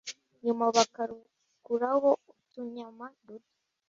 nyuma, bakarukuraho utunyama duto